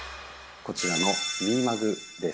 こちらのウィマグです。